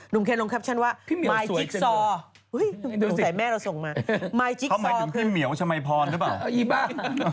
นุ่มเคนลงแคปชั่นว่ามายจิ๊กซอร์อุ้ยนุ่มสายแม่เราส่งมามายจิ๊กซอร์คือเขาหมายถึงพี่เหมียวชะมายพรหรือเปล่า